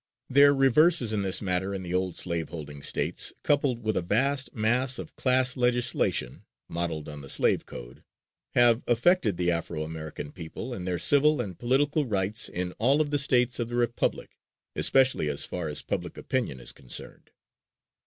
Their reverses in this matter in the old slave holding States, coupled with a vast mass of class legislation, modelled on the slave code, have affected the Afro American people in their civil and political rights in all of the States of the Republic, especially as far as public opinion is concerned.